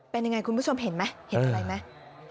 เป็นยังไงคุณผู้ชมเห็นไหมเห็นอะไรไหม